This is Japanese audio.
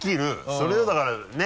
それをだからね